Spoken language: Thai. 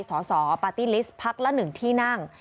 สสปาร์ตี้ลิสต์พักละ๑ที่นั่ง